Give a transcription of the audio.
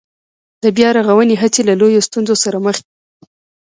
د بيا رغونې هڅې له لویو ستونزو سره مخ دي